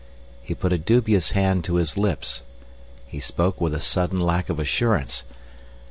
He put a dubious hand to his lips. He spoke with a sudden lack of assurance.